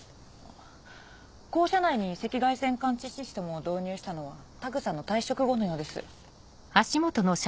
校舎内に赤外線感知システムを導入したのは田草の退職後のようです。